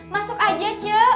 masuk aja cu